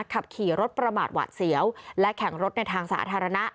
ขับขี่รถประมาทหวาดเสียวและแข่งรถในทางสาธารณะ